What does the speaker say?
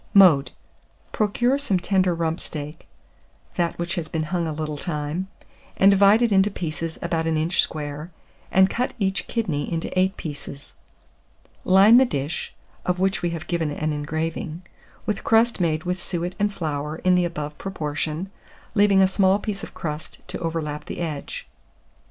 Mode. Procure some tender rump steak (that which has been hung a little time), and divide it into pieces about an inch square, and cut each kidney into 8 pieces. Line the dish (of which we have given an engraving) with crust made with suet and flour in the above proportion, leaving a small piece of crust to overlap the edge.